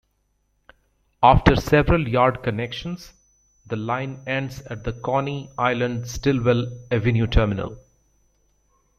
After several yard connections, the line ends at the Coney Island-Stillwell Avenue terminal.